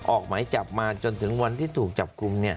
ออกหมายจับมาจนถึงวันที่ถูกจับกลุ่ม